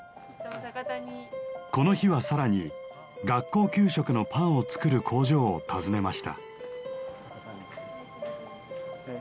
この日は更に学校給食のパンを作る工場を訪ねました。